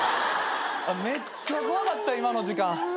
めっちゃ怖かった今の時間。